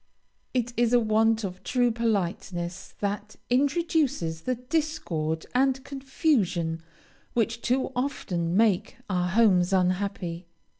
It is a want of true politeness that introduces the discord and confusion which too often make our homes unhappy.